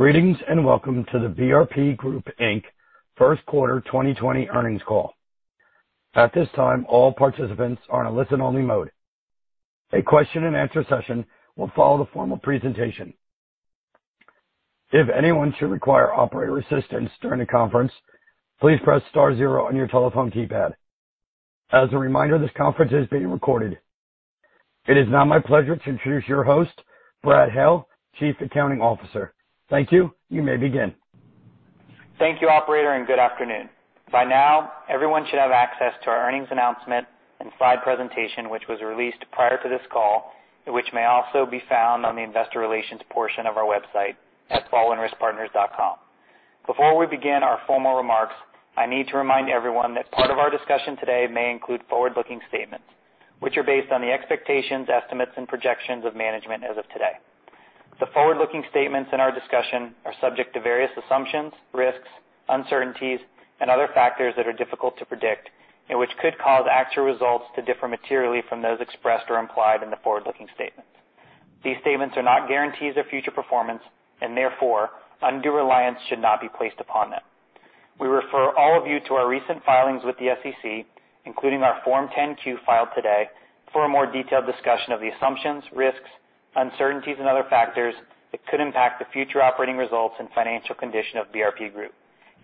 Greetings. Welcome to the BRP Group, Inc. First Quarter 2020 Earnings Call. At this time, all participants are in a listen-only mode. A question and answer session will follow the formal presentation. If anyone should require operator assistance during the conference, please press star zero on your telephone keypad. As a reminder, this conference is being recorded. It is now my pleasure to introduce your host, Brad Hale, Chief Accounting Officer. Thank you. You may begin. Thank you, operator. Good afternoon. By now, everyone should have access to our earnings announcement and slide presentation, which was released prior to this call, which may also be found on the investor relations portion of our website at baldwinriskpartners.com. Before we begin our formal remarks, I need to remind everyone that part of our discussion today may include forward-looking statements, which are based on the expectations, estimates, and projections of management as of today. The forward-looking statements in our discussion are subject to various assumptions, risks, uncertainties, and other factors that are difficult to predict and which could cause actual results to differ materially from those expressed or implied in the forward-looking statements. These statements are not guarantees of future performance. Therefore, undue reliance should not be placed upon them. We refer all of you to our recent filings with the SEC, including our Form 10-Q filed today, for a more detailed discussion of the assumptions, risks, uncertainties, and other factors that could impact the future operating results and financial condition of BRP Group,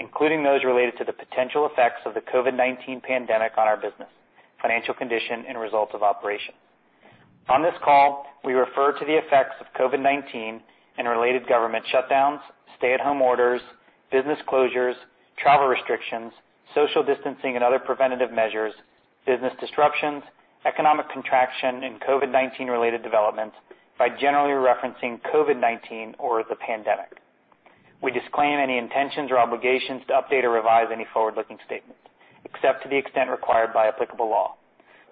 including those related to the potential effects of the COVID-19 pandemic on our business, financial condition, and results of operations. On this call, we refer to the effects of COVID-19 and related government shutdowns, stay-at-home orders, business closures, travel restrictions, social distancing, and other preventative measures, business disruptions, economic contraction, and COVID-19 related developments by generally referencing COVID-19 or the pandemic. We disclaim any intentions or obligations to update or revise any forward-looking statements, except to the extent required by applicable law.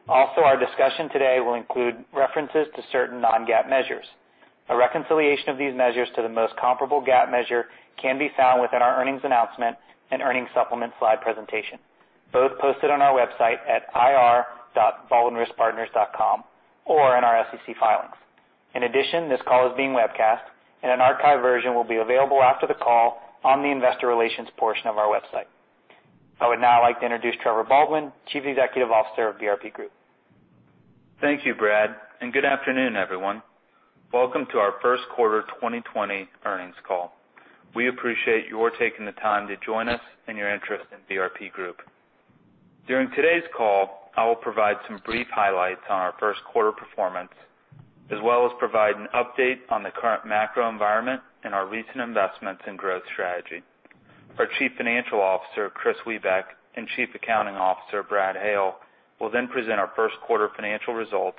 Our discussion today will include references to certain non-GAAP measures. A reconciliation of these measures to the most comparable GAAP measure can be found within our earnings announcement and earnings supplement slide presentation, both posted on our website at ir.baldwinriskpartners.com or in our SEC filings. This call is being webcast. An archive version will be available after the call on the investor relations portion of our website. I would now like to introduce Trevor Baldwin, Chief Executive Officer of BRP Group. Thank you, Brad, good afternoon, everyone. Welcome to our first quarter 2020 earnings call. We appreciate your taking the time to join us and your interest in BRP Group. During today's call, I will provide some brief highlights on our first quarter performance, as well as provide an update on the current macro environment and our recent investments in growth strategy. Our Chief Financial Officer, Kris Wiebeck, and Chief Accounting Officer, Brad Hale, will then present our first quarter financial results,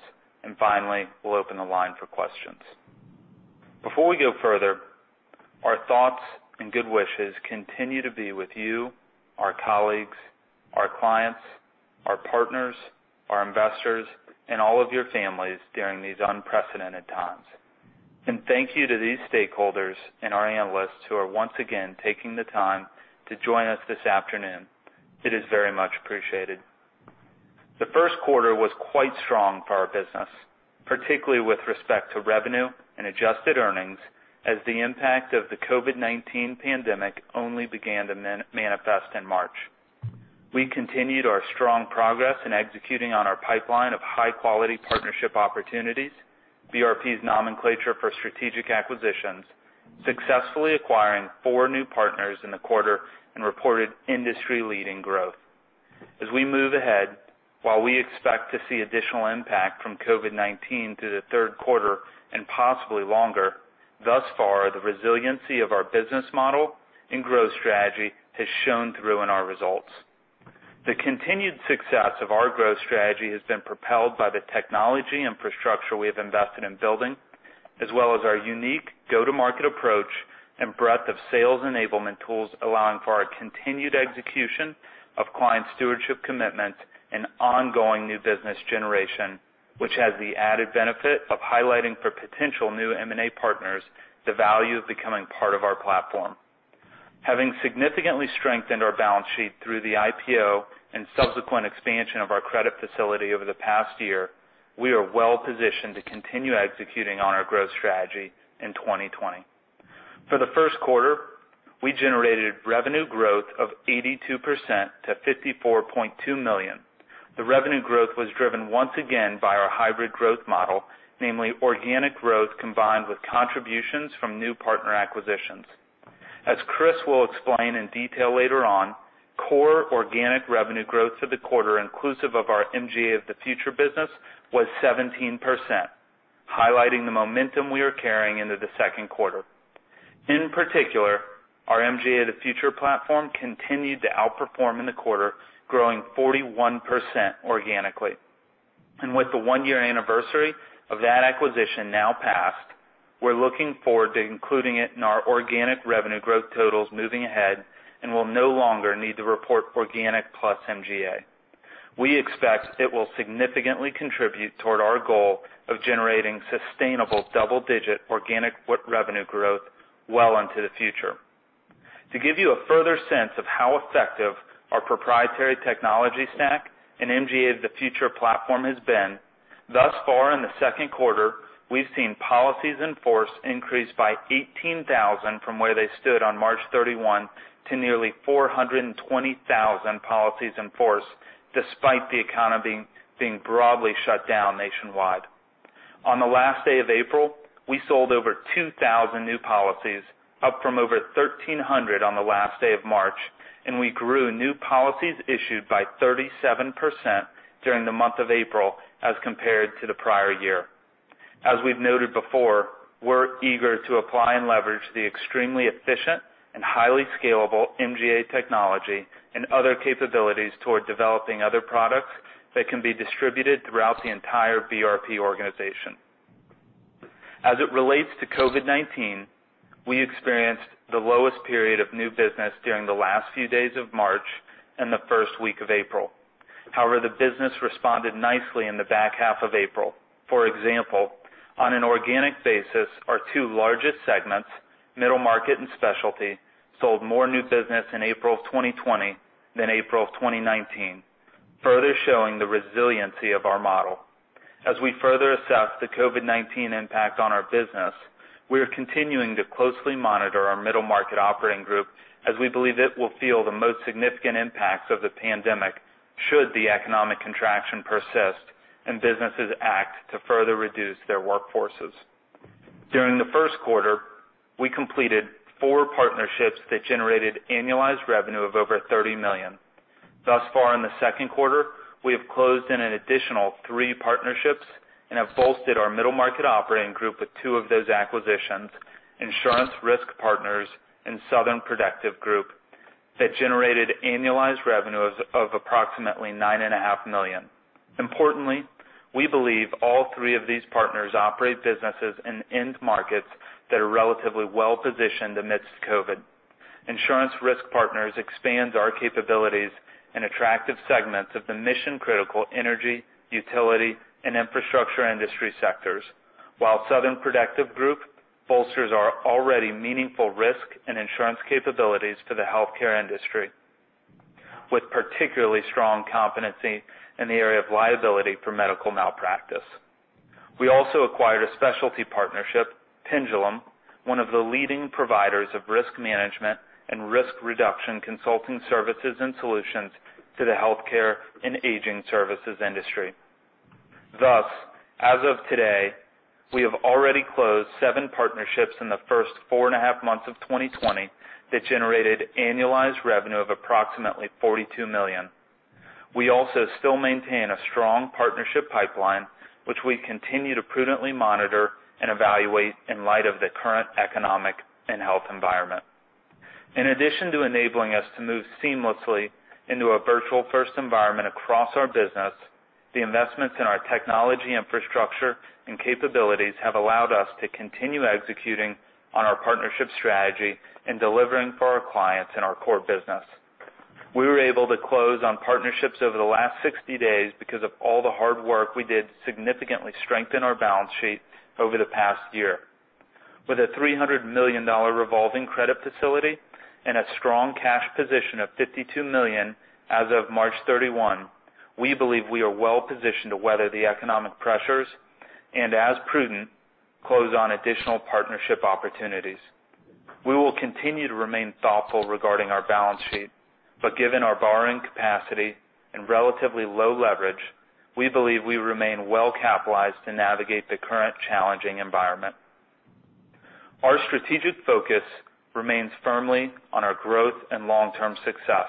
finally, we'll open the line for questions. Before we go further, our thoughts and good wishes continue to be with you, our colleagues, our clients, our partners, our investors, and all of your families during these unprecedented times. Thank you to these stakeholders and our analysts who are once again taking the time to join us this afternoon. It is very much appreciated. The first quarter was quite strong for our business, particularly with respect to revenue and adjusted earnings, as the impact of the COVID-19 pandemic only began to manifest in March. We continued our strong progress in executing on our pipeline of high-quality partnership opportunities, BRP's nomenclature for strategic acquisitions, successfully acquiring four new partners in the quarter and reported industry-leading growth. As we move ahead, while we expect to see additional impact from COVID-19 through the third quarter and possibly longer, thus far, the resiliency of our business model and growth strategy has shown through in our results. The continued success of our growth strategy has been propelled by the technology infrastructure we have invested in building, as well as our unique go-to-market approach and breadth of sales enablement tools, allowing for our continued execution of client stewardship commitments and ongoing new business generation, which has the added benefit of highlighting for potential new M&A partners the value of becoming part of our platform. Having significantly strengthened our balance sheet through the IPO and subsequent expansion of our credit facility over the past year, we are well positioned to continue executing on our growth strategy in 2020. For the first quarter, we generated revenue growth of 82% to $54.2 million. The revenue growth was driven once again by our hybrid growth model, namely organic growth combined with contributions from new partner acquisitions. As Kris will explain in detail later on, core organic revenue growth for the quarter inclusive of our MGA of the Future business was 17%, highlighting the momentum we are carrying into the second quarter. In particular, our MGA of the Future platform continued to outperform in the quarter, growing 41% organically. With the one-year anniversary of that acquisition now passed, we're looking forward to including it in our organic revenue growth totals moving ahead and will no longer need to report organic plus MGA. We expect it will significantly contribute toward our goal of generating sustainable double-digit organic revenue growth well into the future. To give you a further sense of how effective our proprietary technology stack and MGA of the Future platform has been, thus far in the second quarter, we've seen policies in force increase by 18,000 from where they stood on March 31 to nearly 420,000 policies in force, despite the economy being broadly shut down nationwide. On the last day of April, we sold over 2,000 new policies, up from over 1,300 on the last day of March, and we grew new policies issued by 37% during the month of April as compared to the prior year. As we've noted before, we're eager to apply and leverage the extremely efficient and highly scalable MGA technology and other capabilities toward developing other products that can be distributed throughout the entire BRP organization. As it relates to COVID-19, we experienced the lowest period of new business during the last few days of March and the first week of April. However, the business responded nicely in the back half of April. For example, on an organic basis, our two largest segments, middle market and specialty, sold more new business in April 2020 than April 2019, further showing the resiliency of our model. As we further assess the COVID-19 impact on our business, we are continuing to closely monitor our middle market operating group, as we believe it will feel the most significant impacts of the pandemic should the economic contraction persist and businesses act to further reduce their workforces. During the first quarter, we completed four partnerships that generated annualized revenue of over $30 million. Thus far in the second quarter, we have closed in an additional three partnerships and have bolstered our middle market operating group with two of those acquisitions, Insurance Risk Partners and Southern Protective Group, that generated annualized revenues of approximately $9.5 million. Importantly, we believe all three of these partners operate businesses in end markets that are relatively well-positioned amidst COVID. Insurance Risk Partners expands our capabilities in attractive segments of the mission-critical energy, utility, and infrastructure industry sectors, while Southern Protective Group bolsters our already meaningful risk and insurance capabilities to the healthcare industry, with particularly strong competency in the area of liability for medical malpractice. We also acquired a specialty partnership, Pendulum, one of the leading providers of risk management and risk reduction consulting services and solutions to the healthcare and aging services industry. As of today, we have already closed seven partnerships in the first four and a half months of 2020 that generated annualized revenue of approximately $42 million. We also still maintain a strong partnership pipeline, which we continue to prudently monitor and evaluate in light of the current economic and health environment. In addition to enabling us to move seamlessly into a virtual-first environment across our business, the investments in our technology infrastructure and capabilities have allowed us to continue executing on our partnership strategy and delivering for our clients in our core business. We were able to close on partnerships over the last 60 days because of all the hard work we did to significantly strengthen our balance sheet over the past year. With a $300 million revolving credit facility and a strong cash position of $52 million as of March 31, we believe we are well positioned to weather the economic pressures and, as prudent, close on additional partnership opportunities. We will continue to remain thoughtful regarding our balance sheet, but given our borrowing capacity and relatively low leverage, we believe we remain well capitalized to navigate the current challenging environment. Our strategic focus remains firmly on our growth and long-term success,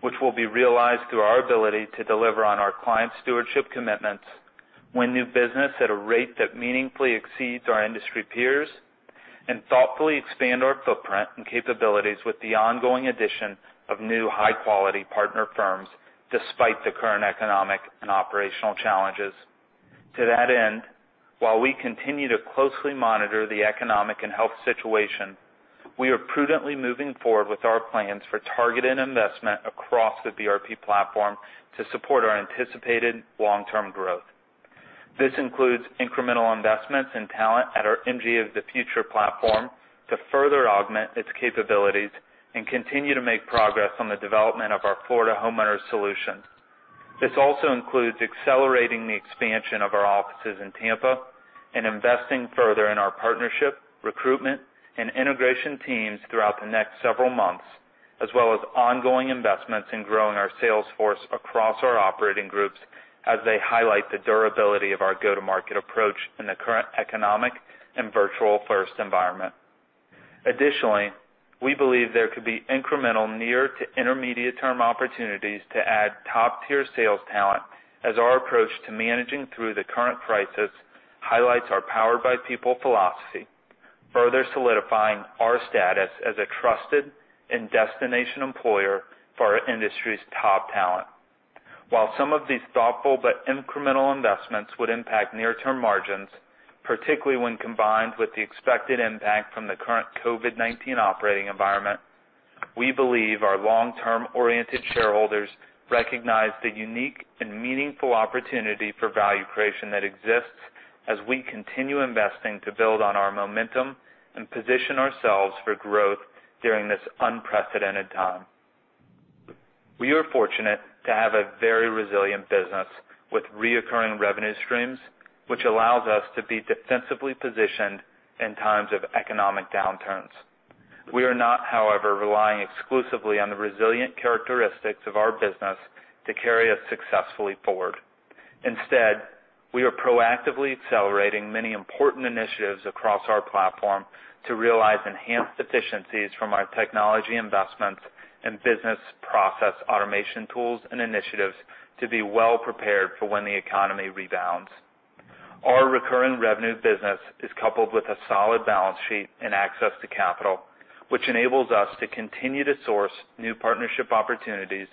which will be realized through our ability to deliver on our client stewardship commitments, win new business at a rate that meaningfully exceeds our industry peers, and thoughtfully expand our footprint and capabilities with the ongoing addition of new high-quality partner firms, despite the current economic and operational challenges. To that end, while we continue to closely monitor the economic and health situation, we are prudently moving forward with our plans for targeted investment across the BRP platform to support our anticipated long-term growth. This includes incremental investments in talent at our MGA of the Future platform to further augment its capabilities and continue to make progress on the development of our Florida Homeowner's solution. This also includes accelerating the expansion of our offices in Tampa and investing further in our partnership, recruitment, and integration teams throughout the next several months, as well as ongoing investments in growing our sales force across our operating groups as they highlight the durability of our go-to-market approach in the current economic and virtual-first environment. Additionally, we believe there could be incremental near to intermediate-term opportunities to add top-tier sales talent as our approach to managing through the current crisis highlights our powered-by-people philosophy, further solidifying our status as a trusted and destination employer for our industry's top talent. While some of these thoughtful but incremental investments would impact near-term margins, particularly when combined with the expected impact from the current COVID-19 operating environment, we believe our long-term oriented shareholders recognize the unique and meaningful opportunity for value creation that exists as we continue investing to build on our momentum and position ourselves for growth during this unprecedented time. We are fortunate to have a very resilient business with reoccurring revenue streams, which allows us to be defensively positioned in times of economic downturns. We are not, however, relying exclusively on the resilient characteristics of our business to carry us successfully forward. Instead, we are proactively accelerating many important initiatives across our platform to realize enhanced efficiencies from our technology investments and business process automation tools and initiatives to be well prepared for when the economy rebounds. Our recurring revenue business is coupled with a solid balance sheet and access to capital, which enables us to continue to source new partnership opportunities,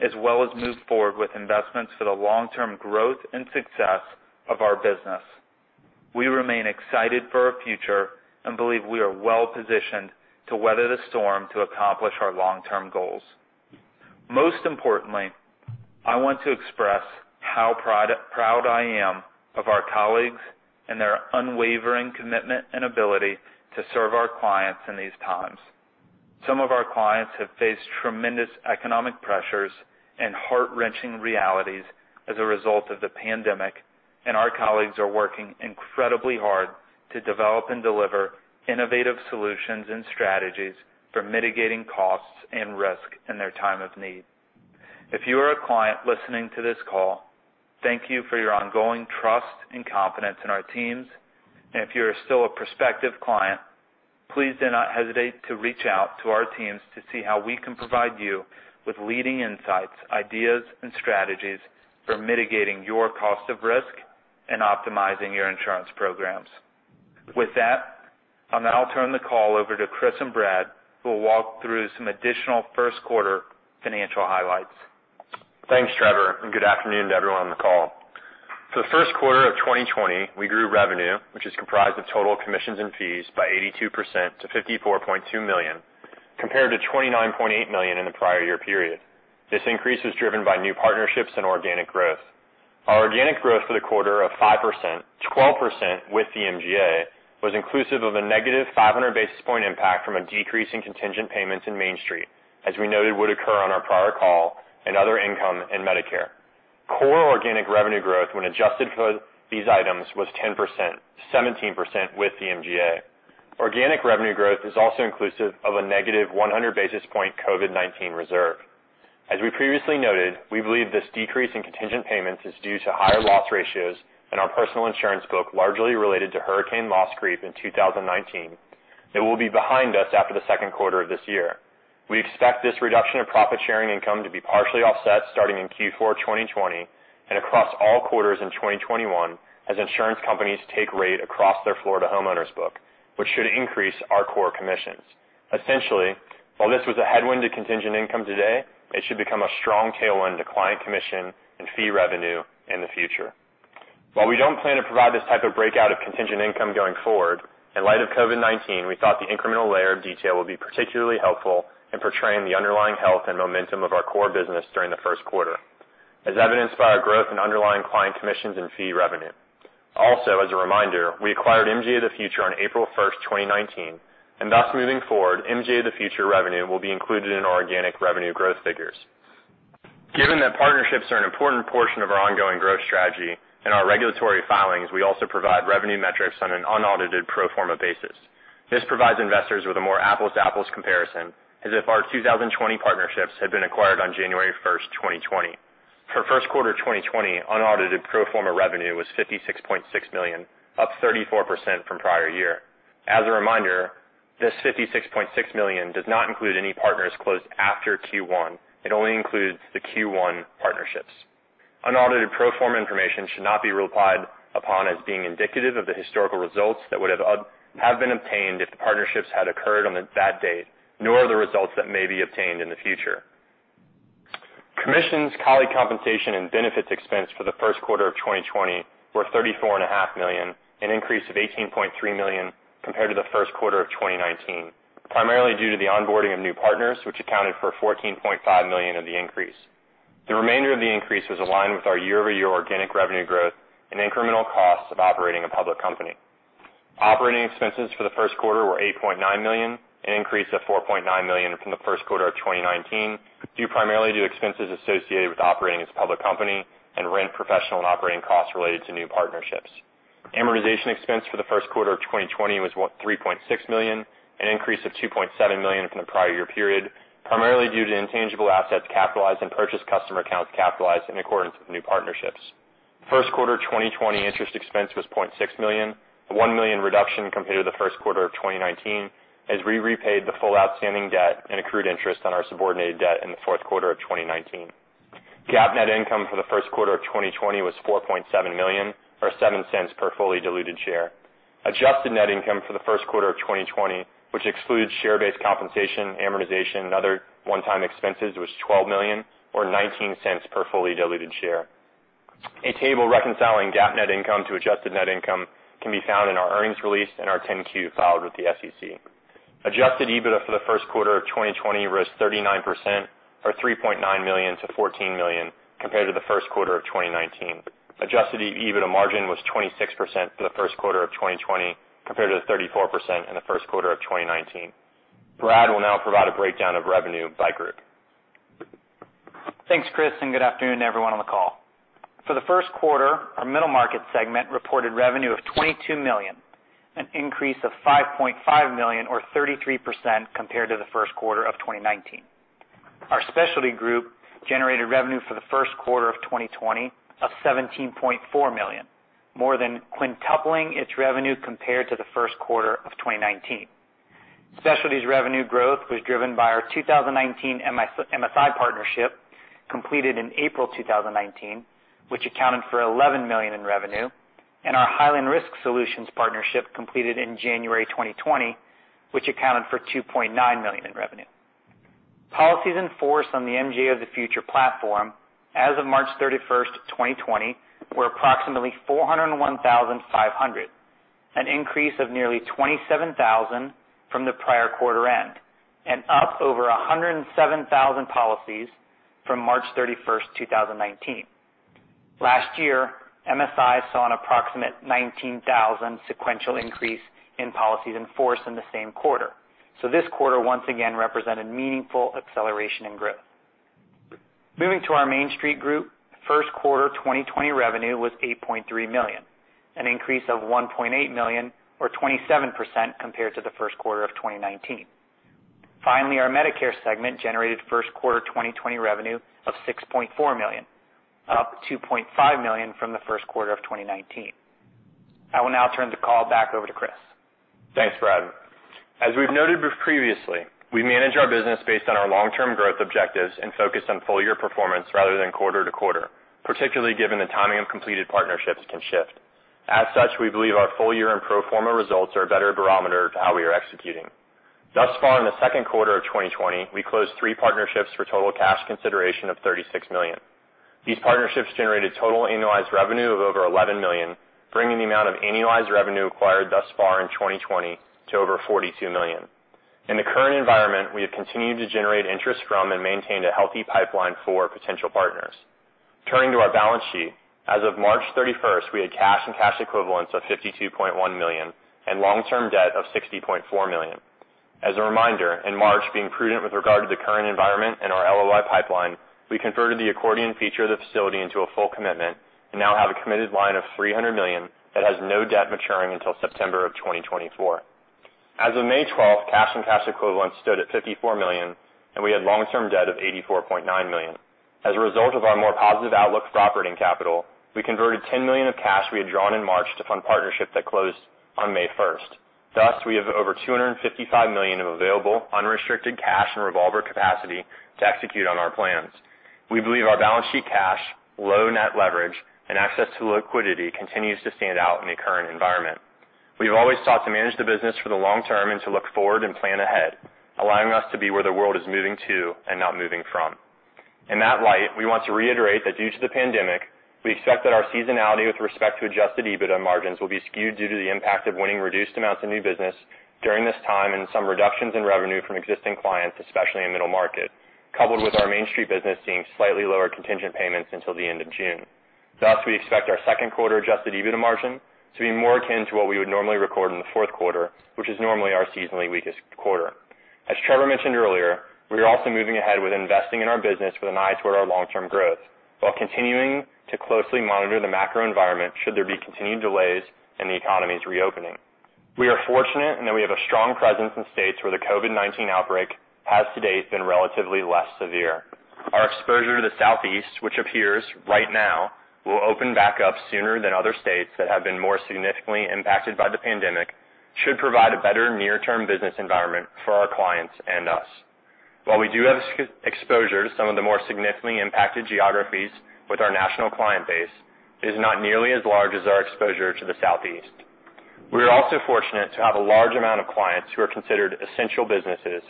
as well as move forward with investments for the long-term growth and success of our business. We remain excited for our future and believe we are well positioned to weather the storm to accomplish our long-term goals. Most importantly, I want to express how proud I am of our colleagues and their unwavering commitment and ability to serve our clients in these times. Some of our clients have faced tremendous economic pressures and heart-wrenching realities as a result of the pandemic. Our colleagues are working incredibly hard to develop and deliver innovative solutions and strategies for mitigating costs and risk in their time of need. If you are a client listening to this call, thank you for your ongoing trust and confidence in our teams. If you're still a prospective client, please do not hesitate to reach out to our teams to see how we can provide you with leading insights, ideas, and strategies for mitigating your cost of risk and optimizing your insurance programs. With that, I'll now turn the call over to Kris and Brad, who will walk through some additional first quarter financial highlights. Thanks, Trevor, and good afternoon to everyone on the call. For the first quarter of 2020, we grew revenue, which is comprised of total commissions and fees, by 82% to $54.2 million, compared to $29.8 million in the prior year period. This increase is driven by new partnerships and organic growth. Our organic growth for the quarter of 5%, 12% with MGA, was inclusive of a negative 500 basis point impact from a decrease in contingent payments in Mainstreet, as we noted would occur on our prior call and other income in Medicare. Core organic revenue growth when adjusted for these items was 10%, 17% with MGA. Organic revenue growth is also inclusive of a negative 100 basis point COVID-19 reserve. As we previously noted, we believe this decrease in contingent payments is due to higher loss ratios in our personal insurance book, largely related to hurricane loss creep in 2019, that will be behind us after the second quarter of this year. We expect this reduction of profit-sharing income to be partially offset starting in Q4 2020 and across all quarters in 2021, as insurance companies take rate across their Florida homeowners book, which should increase our core commissions. Essentially, while this was a headwind to contingent income today, it should become a strong tailwind to client commission and fee revenue in the future. While we don't plan to provide this type of breakout of contingent income going forward, in light of COVID-19, we thought the incremental layer of detail would be particularly helpful in portraying the underlying health and momentum of our core business during the first quarter, as evidenced by our growth in underlying client commissions and fee revenue. Also, as a reminder, we acquired MGA of the Future on April 1st, 2019, and thus moving forward, MGA of the Future revenue will be included in our organic revenue growth figures. Given that partnerships are an important portion of our ongoing growth strategy in our regulatory filings, we also provide revenue metrics on an unaudited pro forma basis. This provides investors with a more apples to apples comparison as if our 2020 partnerships had been acquired on January 1st, 2020. For first quarter 2020, unaudited pro forma revenue was $56.6 million, up 34% from prior year. As a reminder, this $56.6 million does not include any partners closed after Q1. It only includes the Q1 partnerships. Unaudited pro forma information should not be relied upon as being indicative of the historical results that would have been obtained if the partnerships had occurred on that date, nor the results that may be obtained in the future. Commissions, colleague compensation, and benefits expense for the first quarter of 2020 were $34.5 million, an increase of $18.3 million compared to the first quarter of 2019, primarily due to the onboarding of new partners, which accounted for $14.5 million of the increase. The remainder of the increase was aligned with our year-over-year organic revenue growth and incremental costs of operating a public company. Operating expenses for the first quarter were $8.9 million, an increase of $4.9 million from the first quarter of 2019, due primarily to expenses associated with operating as a public company and rent, professional, and operating costs related to new partnerships. Amortization expense for the first quarter of 2020 was $3.6 million, an increase of $2.7 million from the prior year period, primarily due to intangible assets capitalized and purchase customer accounts capitalized in accordance with new partnerships. First quarter 2020 interest expense was $0.6 million, a $1 million reduction compared to the first quarter of 2019, as we repaid the full outstanding debt and accrued interest on our subordinated debt in the fourth quarter of 2019. GAAP net income for the first quarter of 2020 was $4.7 million, or $0.07 per fully diluted share. Adjusted net income for the first quarter of 2020, which excludes share-based compensation, amortization, and other one-time expenses, was $12 million, or $0.19 per fully diluted share. A table reconciling GAAP net income to adjusted net income can be found in our earnings release and our 10-Q filed with the SEC. Adjusted EBITDA for the first quarter of 2020 rose 39%, or $3.9 million to $14 million compared to the first quarter of 2019. Adjusted EBITDA margin was 26% for the first quarter of 2020 compared to the 34% in the first quarter of 2019. Brad will now provide a breakdown of revenue by group. Thanks, Kris, and good afternoon to everyone on the call. For the first quarter, our middle market segment reported revenue of $22 million, an increase of $5.5 million or 33% compared to the first quarter of 2019. Our specialty group generated revenue for the first quarter of 2020 of $17.4 million, more than quintupling its revenue compared to the first quarter of 2019. Specialties revenue growth was driven by our 2019 MSI partnership, completed in April 2019, which accounted for $11 million in revenue, and our Highland Risk Solutions partnership completed in January 2020, which accounted for $2.9 million in revenue. Policies in force on the MGA of the Future platform as of March 31st, 2020, were approximately 401,500, an increase of nearly 27,000 from the prior quarter end, and up over 107,000 policies from March 31st, 2019. Last year, MSI saw an approximate 19,000 sequential increase in policies in force in the same quarter. This quarter once again represented meaningful acceleration in growth. Moving to our Mainstreet group, first quarter 2020 revenue was $8.3 million, an increase of $1.8 million or 27% compared to the first quarter of 2019. Finally, our Medicare segment generated first quarter 2020 revenue of $6.4 million, up $2.5 million from the first quarter of 2019. I will now turn the call back over to Kris. Thanks, Brad. As we've noted previously, we manage our business based on our long-term growth objectives and focus on full-year performance rather than quarter-to-quarter, particularly given the timing of completed partnerships can shift. We believe our full-year and pro forma results are a better barometer to how we are executing. In the second quarter of 2020, we closed three partnerships for total cash consideration of $36 million. These partnerships generated total annualized revenue of over $11 million, bringing the amount of annualized revenue acquired thus far in 2020 to over $42 million. In the current environment, we have continued to generate interest from and maintained a healthy pipeline for potential partners. Turning to our balance sheet, as of March 31st, we had cash and cash equivalents of $52.1 million and long-term debt of $60.4 million. As a reminder, in March, being prudent with regard to the current environment and our LOI pipeline, we converted the accordion feature of the facility into a full commitment and now have a committed line of $300 million that has no debt maturing until September of 2024. As of May 12th, cash and cash equivalents stood at $54 million, and we had long-term debt of $84.9 million. As a result of our more positive outlook for operating capital, we converted $10 million of cash we had drawn in March to fund partnership that closed on May 1st. We have over $255 million of available unrestricted cash and revolver capacity to execute on our plans. We believe our balance sheet cash, low net leverage, and access to liquidity continues to stand out in the current environment. We've always sought to manage the business for the long-term and to look forward and plan ahead, allowing us to be where the world is moving to and not moving from. In that light, we want to reiterate that due to the pandemic, we expect that our seasonality with respect to adjusted EBITDA margins will be skewed due to the impact of winning reduced amounts of new business during this time and some reductions in revenue from existing clients, especially in middle market, coupled with our Mainstreet business seeing slightly lower contingent payments until the end of June. We expect our second quarter adjusted EBITDA margin to be more akin to what we would normally record in the fourth quarter, which is normally our seasonally weakest quarter. As Trevor mentioned earlier, we are also moving ahead with investing in our business with an eye toward our long-term growth while continuing to closely monitor the macro environment should there be continued delays in the economy's reopening. We are fortunate in that we have a strong presence in states where the COVID-19 outbreak has to date been relatively less severe. Our exposure to the Southeast, which appears right now will open back up sooner than other states that have been more significantly impacted by the pandemic, should provide a better near-term business environment for our clients and us. While we do have exposure to some of the more significantly impacted geographies with our national client base, it is not nearly as large as our exposure to the Southeast. We are also fortunate to have a large amount of clients who are considered essential businesses,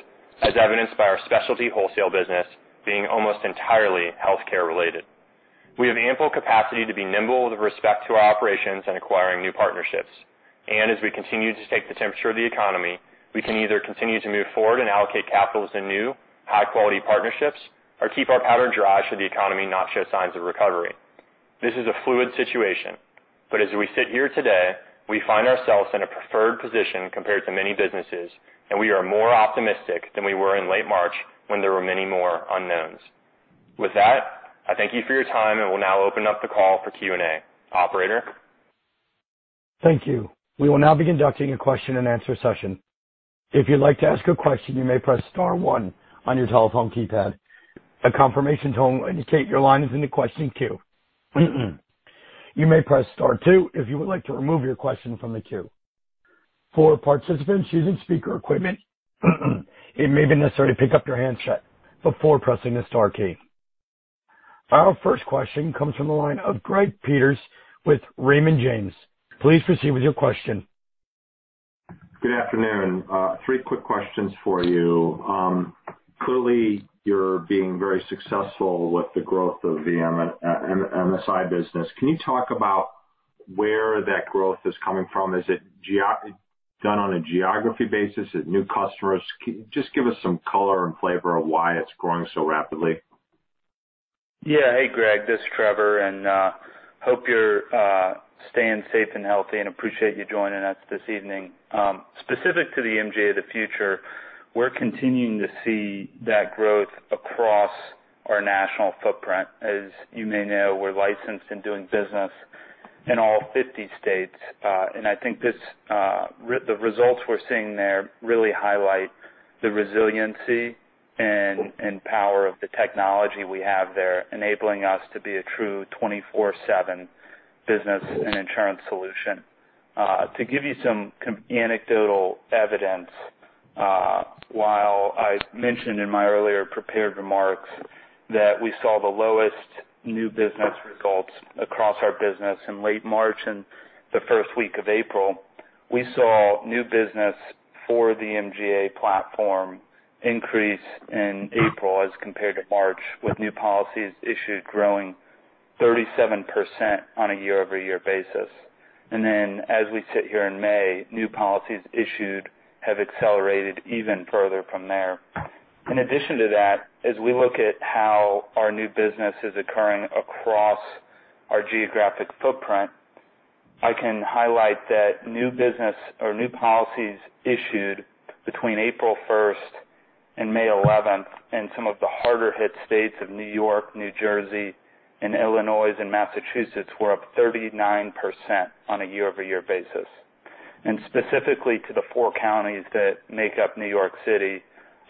as evidenced by our specialty wholesale business being almost entirely healthcare related. As we continue to take the temperature of the economy, we can either continue to move forward and allocate capital into new, high-quality partnerships or keep our powder dry should the economy not show signs of recovery. This is a fluid situation, as we sit here today, we find ourselves in a preferred position compared to many businesses, and we are more optimistic than we were in late March when there were many more unknowns. With that, I thank you for your time and will now open up the call for Q&A. Operator? Thank you. We will now be conducting a question-and-answer session. If you'd like to ask a question, you may press star one on your telephone keypad. A confirmation tone will indicate your line is in the question queue. You may press star two if you would like to remove your question from the queue. For participants using speaker equipment, it may be necessary to pick up your handset before pressing the star key. Our first question comes from the line of Greg Peters with Raymond James. Please proceed with your question. Good afternoon. Three quick questions for you. Clearly, you're being very successful with the growth of the MSI business. Can you talk about where that growth is coming from? Is it done on a geography basis? Is it new customers? Just give us some color and flavor of why it's growing so rapidly. Yeah. Hey, Greg, this is Trevor, and hope you're staying safe and healthy, and appreciate you joining us this evening. Specific to the MGA of the Future, we're continuing to see that growth across our national footprint. As you may know, we're licensed and doing business in all 50 states. I think the results we're seeing there really highlight the resiliency and power of the technology we have there, enabling us to be a true 24/7 business and insurance solution. To give you some anecdotal evidence, while I mentioned in my earlier prepared remarks that we saw the lowest new business results across our business in late March and the first week of April, we saw new business for the MGA platform increase in April as compared to March, with new policies issued growing 37% on a year-over-year basis. As we sit here in May, new policies issued have accelerated even further from there. In addition to that, as we look at how our new business is occurring across our geographic footprint, I can highlight that new business or new policies issued between April 1st and May 11th in some of the harder hit states of New York, New Jersey, and Illinois, and Massachusetts were up 39% on a year-over-year basis. Specifically to the four counties that make up New York City,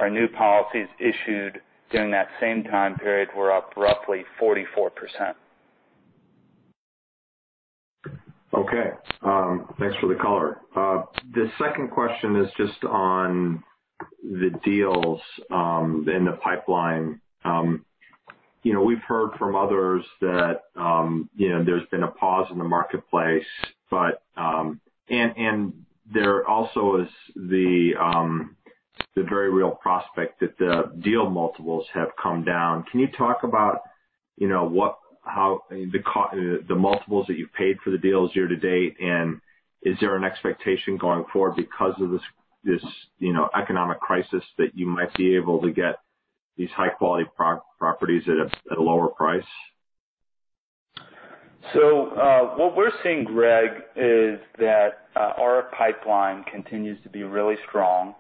our new policies issued during that same time period were up roughly 44%. Okay. Thanks for the color. The second question is just on the deals in the pipeline. We've heard from others that there's been a pause in the marketplace, and there also is the very real prospect that the deal multiples have come down. Can you talk about the multiples that you've paid for the deals year-to-date, and is there an expectation going forward because of this economic crisis that you might be able to get these high-quality properties at a lower price? What we're seeing, Greg, is that our pipeline continues to be really strong,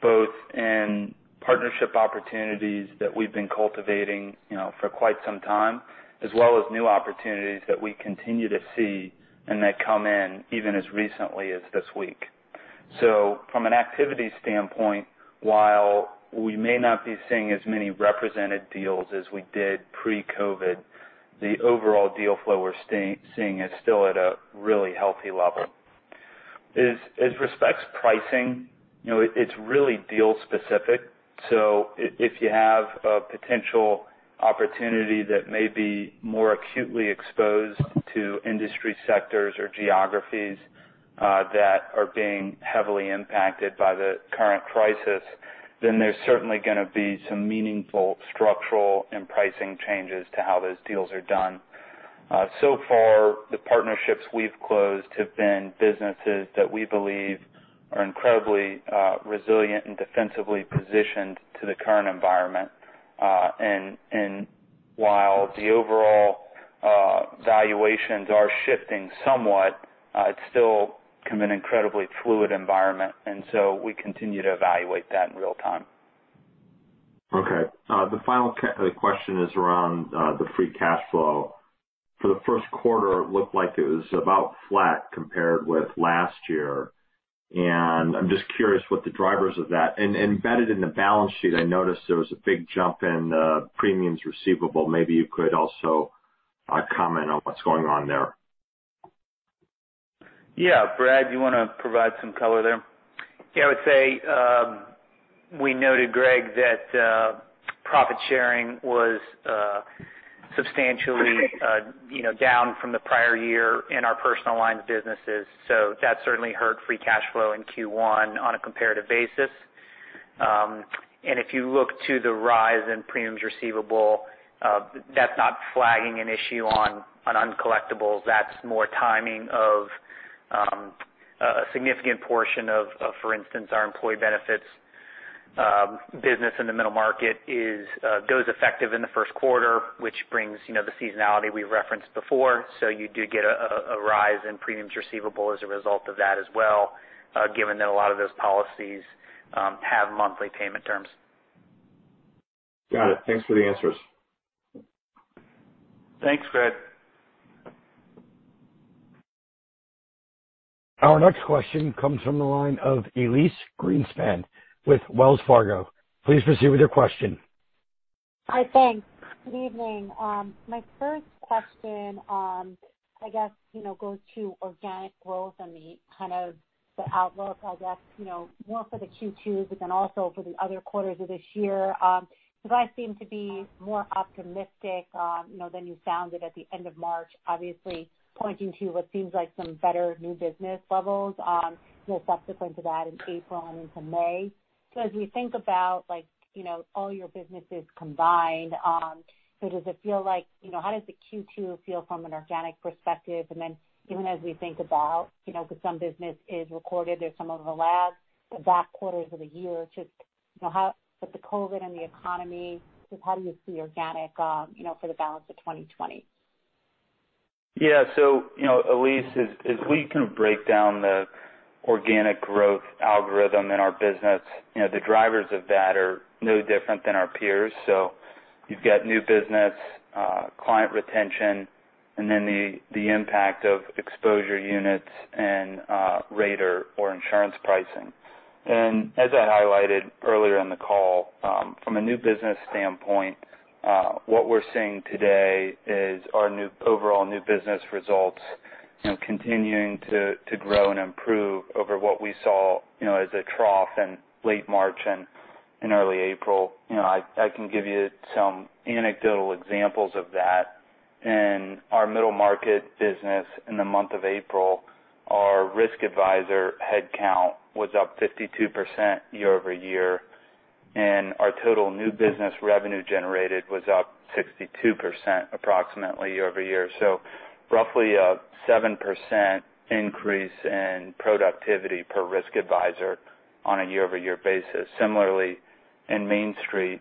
both in partnership opportunities that we've been cultivating for quite some time, as well as new opportunities that we continue to see and that come in even as recently as this week. From an activity standpoint, while we may not be seeing as many represented deals as we did pre-COVID, the overall deal flow we're seeing is still at a really healthy level. As respects pricing, it's really deal specific. If you have a potential opportunity that may be more acutely exposed to industry sectors or geographies that are being heavily impacted by the current crisis, there's certainly going to be some meaningful structural and pricing changes to how those deals are done. The partnerships we've closed have been businesses that we believe are incredibly resilient and defensively positioned to the current environment. While the overall valuations are shifting somewhat, it's still become an incredibly fluid environment. We continue to evaluate that in real time. Okay. The final question is around the free cash flow. For the first quarter, it looked like it was about flat compared with last year. I'm just curious what the drivers of that were. Embedded in the balance sheet, I noticed there was a big jump in premiums receivable. Maybe you could also comment on what's going on there. Yeah. Brad, you want to provide some color there? Yeah, I would say, we noted, Greg, that profit sharing was substantially down from the prior year in our personal lines businesses. That certainly hurt free cash flow in Q1 on a comparative basis. If you look to the rise in premiums receivable, that's not flagging an issue on uncollectibles. That's more timing of a significant portion of, for instance, our employee benefits business in the middle market goes effective in the first quarter, which brings the seasonality we referenced before. You do get a rise in premiums receivable as a result of that as well, given that a lot of those policies have monthly payment terms. Got it. Thanks for the answers. Thanks, Greg. Our next question comes from the line of Elyse Greenspan with Wells Fargo. Please proceed with your question. Hi. Thanks. Good evening. My first question goes to organic growth and the outlook more for the Q2, but then also for the other quarters of this year. I seem to be more optimistic than you sounded at the end of March, obviously pointing to what seems like some better new business levels subsequent to that in April and into May. As we think about all your businesses combined, how does the Q2 feel from an organic perspective? Even as we think about, because some business is recorded as some of the last back quarters of the year, with the COVID and the economy, just how do you see organic for the balance of 2020? Elyse, as we kind of break down the organic growth algorithm in our business, the drivers of that are no different than our peers. You've got new business, client retention, and then the impact of exposure units and rate or insurance pricing. As I highlighted earlier in the call, from a new business standpoint, what we're seeing today is our overall new business results continuing to grow and improve over what we saw as a trough in late March and in early April. I can give you some anecdotal examples of that. In our middle market business in the month of April, our risk advisor headcount was up 52% year-over-year, and our total new business revenue generated was up 62% approximately year-over-year. Roughly a 7% increase in productivity per risk advisor on a year-over-year basis. Similarly, in Mainstreet,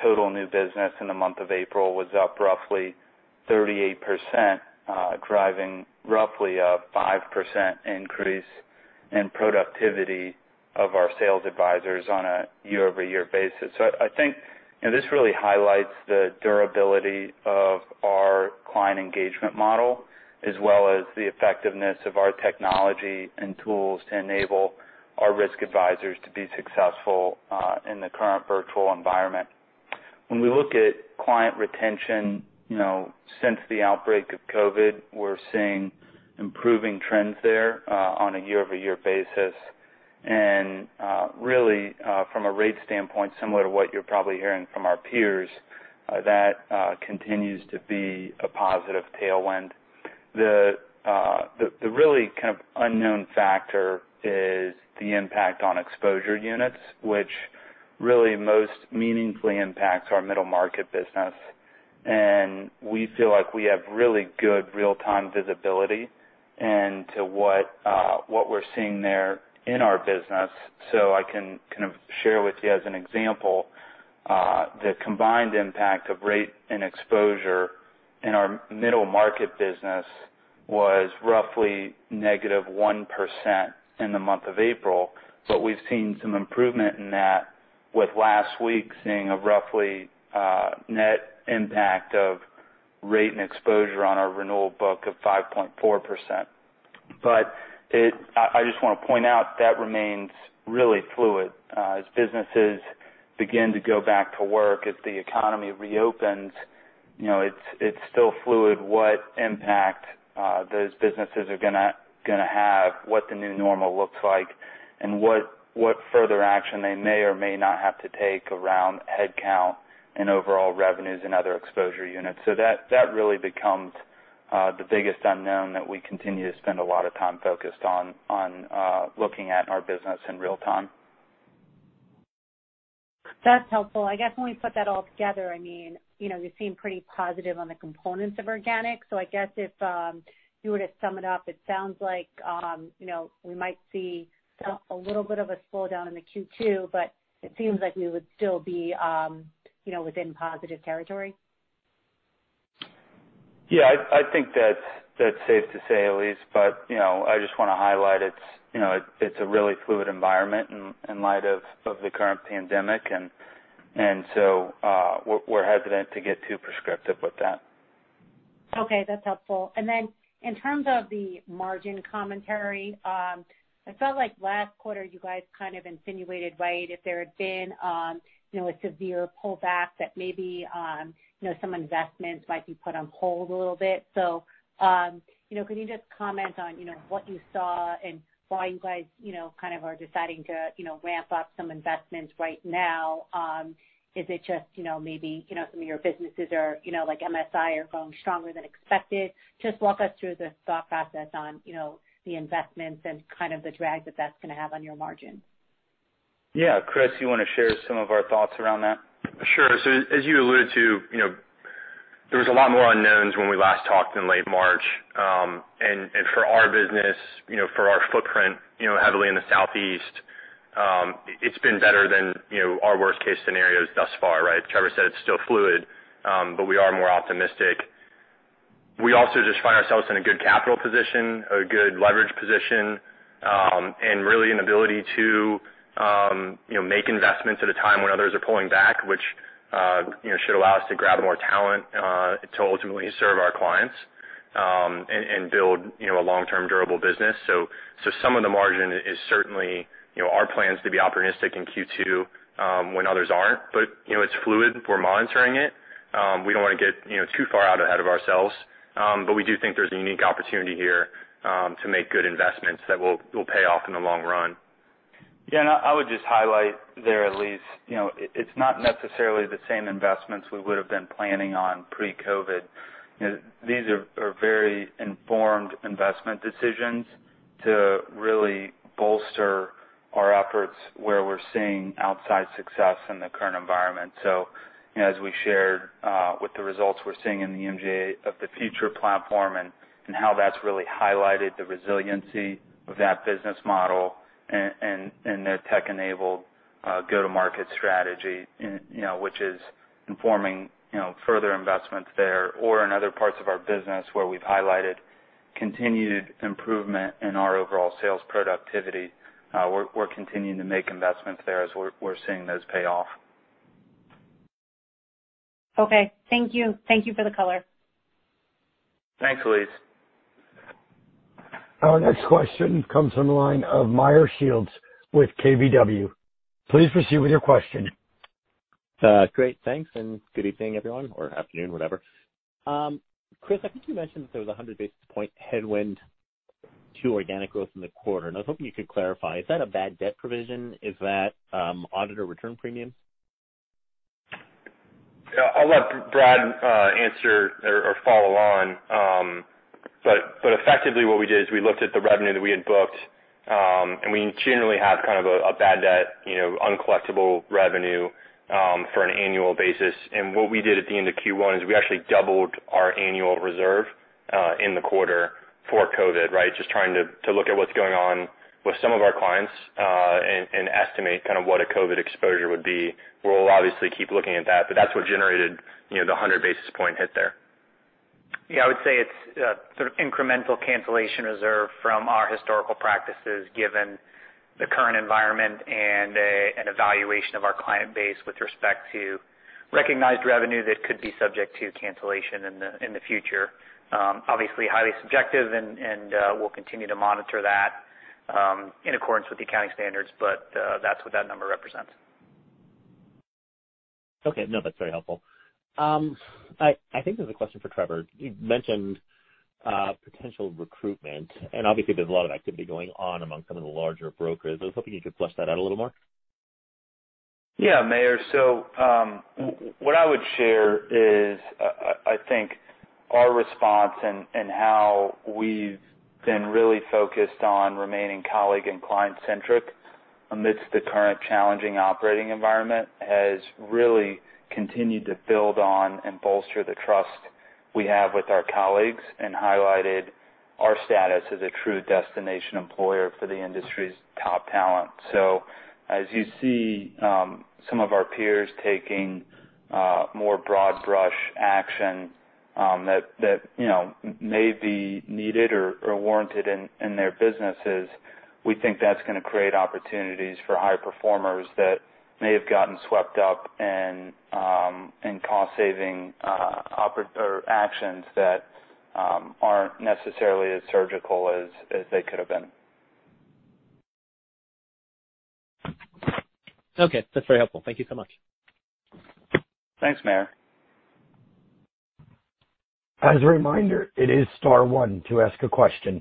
total new business in the month of April was up roughly 38%, driving roughly a 5% increase in productivity of our sales advisors on a year-over-year basis. I think this really highlights the durability of our client engagement model, as well as the effectiveness of our technology and tools to enable our risk advisors to be successful in the current virtual environment. When we look at client retention since the outbreak of COVID-19, we're seeing improving trends there on a year-over-year basis. Really, from a rate standpoint, similar to what you're probably hearing from our peers, that continues to be a positive tailwind. The really kind of unknown factor is the impact on exposure units, which really most meaningfully impacts our middle market business. We feel like we have really good real-time visibility into what we're seeing there in our business. I can kind of share with you as an example, the combined impact of rate and exposure in our middle market business was roughly negative 1% in the month of April. We've seen some improvement in that with last week seeing a roughly net impact of rate and exposure on our renewal book of 5.4%. I just want to point out that remains really fluid. As businesses begin to go back to work, as the economy reopens, it's still fluid what impact those businesses are going to have, what the new normal looks like, and what further action they may or may not have to take around headcount and overall revenues and other exposure units. That really becomes the biggest unknown that we continue to spend a lot of time focused on looking at in our business in real time. That's helpful. I guess when we put that all together, you seem pretty positive on the components of organic. I guess if you were to sum it up, it sounds like we might see a little bit of a slowdown in the Q2, but it seems like we would still be within positive territory. Yeah. I think that's safe to say, Elyse, but I just want to highlight it's a really fluid environment in light of the current pandemic, we're hesitant to get too prescriptive with that. Okay. That's helpful. In terms of the margin commentary, I felt like last quarter you guys kind of insinuated, right, if there had been a severe pullback, that maybe some investments might be put on hold a little bit. Can you just comment on what you saw, and why you guys kind of are deciding to ramp up some investments right now? Is it just maybe some of your businesses are, like MSI, are growing stronger than expected? Just walk us through the thought process on the investments and kind of the drag that that's going to have on your margin. Yeah. Kris, you want to share some of our thoughts around that? Sure. As you alluded to, there was a lot more unknowns when we last talked in late March. For our business, for our footprint heavily in the Southeast, it's been better than our worst case scenarios thus far, right? Trevor said it's still fluid, but we are more optimistic. We also just find ourselves in a good capital position, a good leverage position, and really an ability to make investments at a time when others are pulling back, which should allow us to grab more talent to ultimately serve our clients. Build a long-term durable business. Some of the margin is certainly our plans to be opportunistic in Q2 when others aren't. It's fluid. We're monitoring it. We don't want to get too far out ahead of ourselves. We do think there's a unique opportunity here to make good investments that will pay off in the long run. I would just highlight there, Elyse, it's not necessarily the same investments we would've been planning on pre-COVID. These are very informed investment decisions to really bolster our efforts where we're seeing outside success in the current environment. As we shared with the results we're seeing in the MGA of the Future platform and how that's really highlighted the resiliency of that business model and their tech-enabled go-to-market strategy, which is informing further investments there or in other parts of our business where we've highlighted continued improvement in our overall sales productivity. We're continuing to make investments there as we're seeing those pay off. Okay. Thank you. Thank you for the color. Thanks, Elyse. Our next question comes from the line of Meyer Shields with KBW. Please proceed with your question. Great. Thanks. Good evening, everyone, or afternoon, whatever. Kris, I think you mentioned that there was 100 basis point headwind to organic growth in the quarter. I was hoping you could clarify, is that a bad debt provision? Is that auditor return premium? I'll let Brad answer or follow on. Effectively what we did is we looked at the revenue that we had booked. We generally have kind of a bad debt, uncollectible revenue, for an annual basis. What we did at the end of Q1 is we actually doubled our annual reserve in the quarter for COVID, right? Just trying to look at what's going on with some of our clients and estimate kind of what a COVID exposure would be. We'll obviously keep looking at that's what generated the 100 basis point hit there. I would say it's sort of incremental cancellation reserve from our historical practices, given the current environment and an evaluation of our client base with respect to recognized revenue that could be subject to cancellation in the future. Obviously, highly subjective, and we'll continue to monitor that in accordance with the accounting standards, but that's what that number represents. Okay. No, that's very helpful. I think there's a question for Trevor. You mentioned potential recruitment, and obviously, there's a lot of activity going on among some of the larger brokers. I was hoping you could flesh that out a little more. Meyer. What I would share is I think our response and how we've been really focused on remaining colleague and client centric amidst the current challenging operating environment has really continued to build on and bolster the trust we have with our colleagues and highlighted our status as a true destination employer for the industry's top talent. As you see some of our peers taking more broad brush action that may be needed or warranted in their businesses, we think that's going to create opportunities for high performers that may have gotten swept up in cost saving actions that aren't necessarily as surgical as they could have been. Okay. That's very helpful. Thank you so much. Thanks, Meyer. As a reminder, it is star one to ask a question.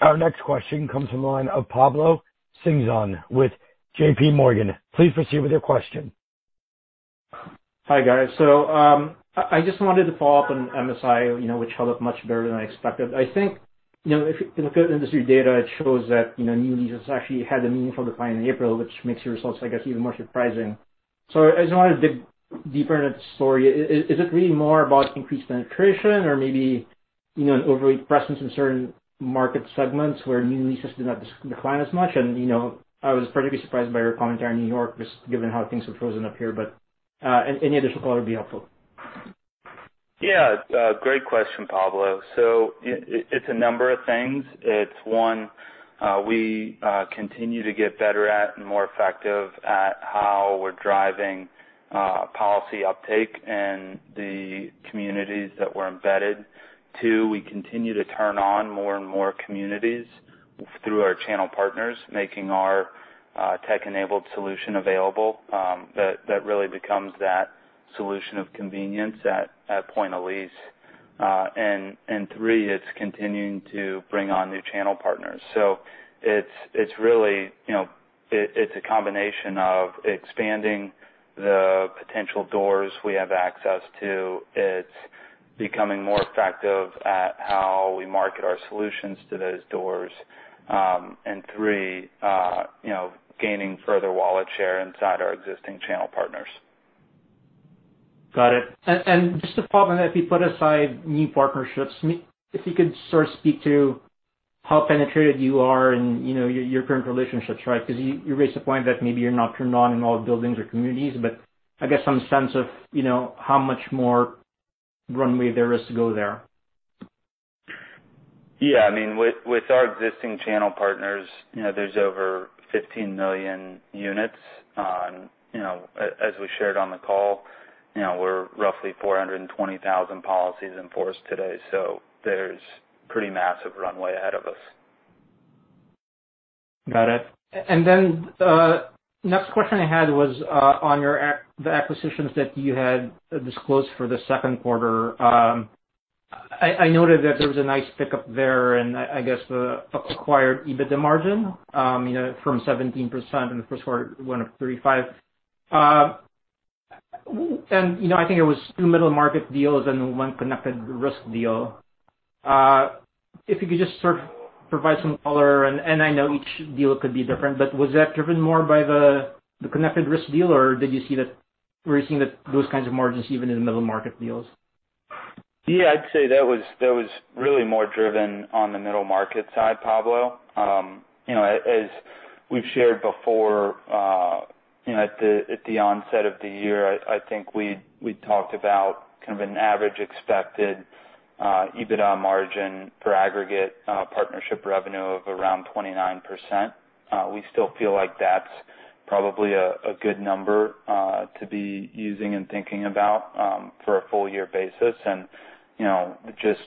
Our next question comes from the line of Pablo Singzon with JP Morgan. Please proceed with your question. Hi, guys. I just wanted to follow up on MSI which held up much better than I expected. If you look at industry data, it shows that new leases actually had a meaningful decline in April, which makes your results, I guess, even more surprising. I just want to dig deeper into the story. Is it really more about increased penetration or maybe an overreach presence in certain market segments where new leases did not decline as much? I was particularly surprised by your commentary on New York, just given how things have frozen up here. Any additional color would be helpful. Yeah. Great question, Pablo. It's a number of things. It's one, we continue to get better at and more effective at how we're driving policy uptake in the communities that we're embedded. Two, we continue to turn on more and more communities through our channel partners, making our tech-enabled solution available. That really becomes that solution of convenience at point of lease. Three, it's continuing to bring on new channel partners. It's a combination of expanding the potential doors we have access to. It's becoming more effective at how we market our solutions to those doors. Three, gaining further wallet share inside our existing channel partners. Got it. Just to follow on that, if we put aside new partnerships, if you could sort of speak to how penetrated you are in your current relationships, right? Because you raised the point that maybe you're not turned on in all buildings or communities, but I guess some sense of how much more runway there is to go there. Yeah, with our existing channel partners there's over 15 million units on, as we shared on the call, we're roughly 420,000 policies in force today. There's pretty massive runway ahead of us. Got it. Then the next question I had was on the acquisitions that you had disclosed for the second quarter. I noted that there was a nice pickup there and I guess the acquired EBITDA margin, from 17% in the first quarter went up 35%. I think it was two middle market deals and one Connected Risk deal. If you could just sort of provide some color and I know each deal could be different, but was that driven more by the Connected Risk deal, or did you see that we're seeing those kinds of margins even in the middle market deals? Yeah, I'd say that was really more driven on the middle market side, Pablo. As we've shared before at the onset of the year, I think we talked about kind of an average expected EBITDA margin for aggregate partnership revenue of around 29%. We still feel like that's probably a good number to be using and thinking about for a full year basis. Just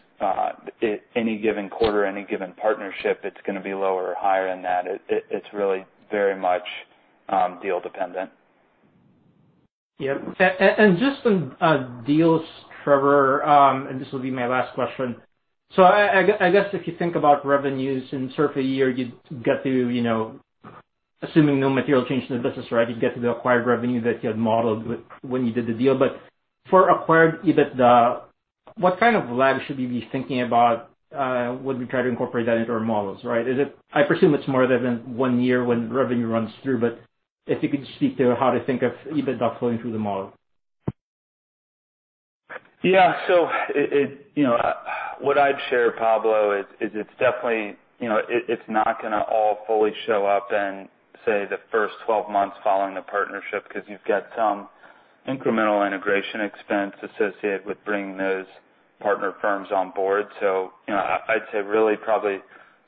any given quarter, any given partnership, it's going to be lower or higher than that. It's really very much deal dependent. Just on deals, Trevor, and this will be my last question. I guess if you think about revenues in sort of a year, you'd get to assuming no material change in the business, right? You'd get to the acquired revenue that you had modeled when you did the deal. For acquired EBITDA, what kind of lag should we be thinking about when we try to incorporate that into our models, right? I presume it's more than one year when revenue runs through, but if you could just speak to how to think of EBITDA flowing through the model. Yeah. What I'd share, Pablo, is it's not going to all fully show up in, say, the first 12 months following the partnership because you've got some incremental integration expense associated with bringing those partner firms on board. I'd say really probably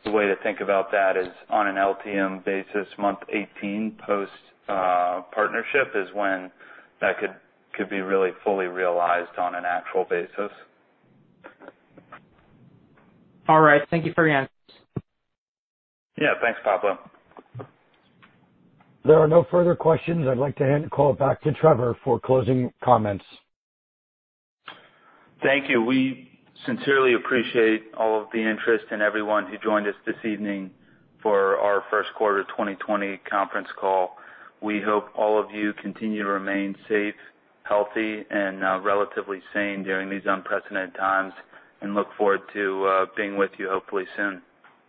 the way to think about that is on an LTM basis, month 18 post partnership is when that could be really fully realized on an actual basis. All right. Thank you for your answers. Yeah. Thanks, Pablo. There are no further questions. I'd like to hand the call back to Trevor for closing comments. Thank you. We sincerely appreciate all of the interest and everyone who joined us this evening for our first quarter 2020 conference call. We hope all of you continue to remain safe, healthy, and relatively sane during these unprecedented times. Look forward to being with you hopefully soon.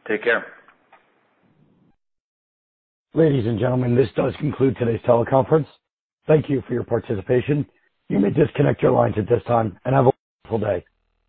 Take care. Ladies and gentlemen, this does conclude today's teleconference. Thank you for your participation. You may disconnect your lines at this time. Have a wonderful day.